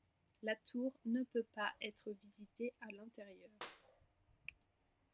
La tour ne peut pas être visitée à l'intérieur.